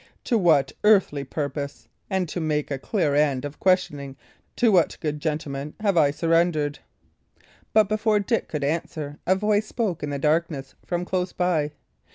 to what earthly purpose? and, to make a clear end of questioning, to what good gentleman have I surrendered?" But before Dick could answer, a voice spoke in the darkness from close by.